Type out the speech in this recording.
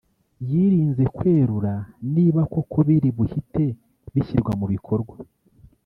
yirinze kwerura niba koko biri buhite bishyirwa mu bikorwa